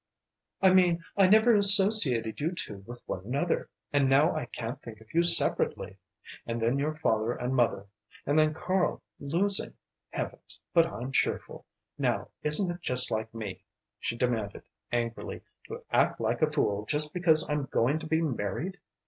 "I mean I never associated you two with one another. And now I can't think of you separately. And then your father and mother, and then Karl losing heavens, but I'm cheerful! Now, isn't it just like me," she demanded, angrily, "to act like a fool just because I'm going to be married?